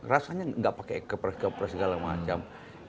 rasanya nggak pakai kepres kepres segala macam